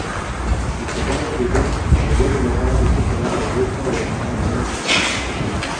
د کبانو د ژوند او ودې لپاره د چاپیریال تودوخه یو مهم عامل دی.